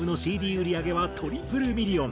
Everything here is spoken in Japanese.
売り上げはトリプルミリオン。